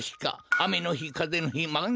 あめのひかぜのひまんげつのひ。